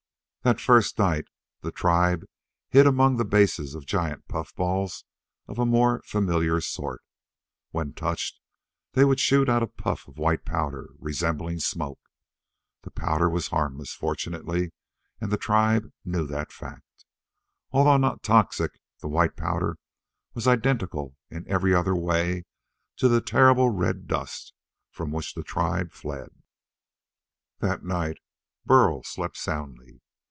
That first night the tribe hid among the bases of giant puffballs of a more familiar sort. When touched they would shoot out a puff of white powder resembling smoke. The powder was harmless fortunately and the tribe knew that fact. Although not toxic, the white powder was identical in every other way to the terrible red dust from which the tribe fled. That night Burl slept soundly.